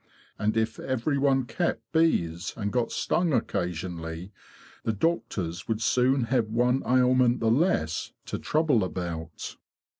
And if every one kept bees, and got stung occasionally, the doctors would soon have one ailment the less to trouble about."